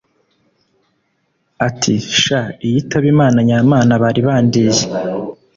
ati “Sha iyo itaba Imana nya Mana bari bandiye